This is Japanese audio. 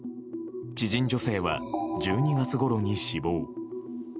知人女性は１２月ごろに死亡。